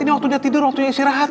ini waktunya tidur waktunya istirahat